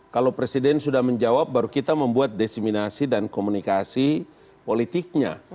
kalau presiden sudah menjawab baru kita membuat desiminasi dan komunikasi politiknya